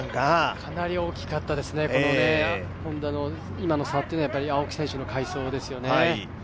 かなり大きかったですねＨｏｎｄａの今の差というのは青木選手の快走ですよね。